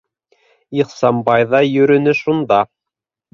Ихсанбай ҙа йөрөнө шунда.